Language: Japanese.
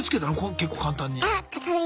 結構簡単に。